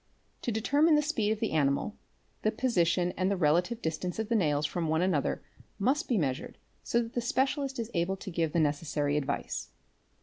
To determine the speed of the animal, the position and the relative distance of the nails from one another must be measured so that the specialist is able to give he necessary advice.